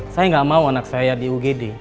saya gak mau anak saya di ugeda